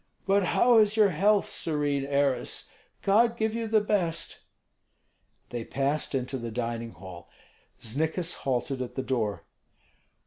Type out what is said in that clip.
"But how is your health, serene heiress? God give you the best." They passed into the dining hall; Znikis halted at the door.